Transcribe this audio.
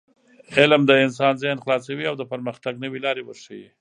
علم د انسان ذهن خلاصوي او د پرمختګ نوې لارې ورښيي.